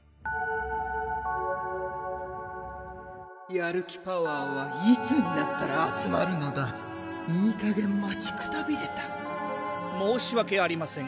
やる気パワーはいつになったら集まるのだいいかげん待ちくたびれた申しわけありません